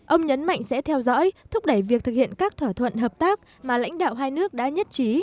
ông nhấn mạnh sẽ theo dõi thúc đẩy việc thực hiện các thỏa thuận hợp tác mà lãnh đạo hai nước đã nhất trí